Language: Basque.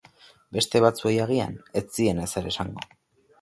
Beste batzuei, agian, ez zien ezer esango.